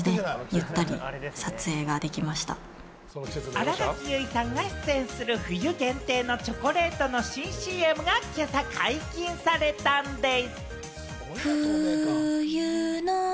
新垣結衣さんが出演する冬限定のチョコレートの新ＣＭが今朝、解禁されたんでぃす。